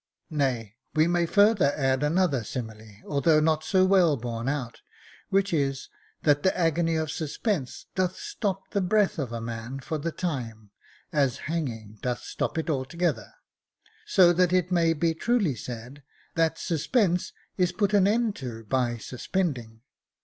Nay, we may further add another simile, although not so well borne out, which is, that the agony of suspense doth stop the breath of a man for the time, as hanging doth stop it altogether, so that it may be truly said, that suspense is put an end to by suspending."